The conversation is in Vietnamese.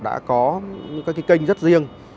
đã có các cái kênh rất riêng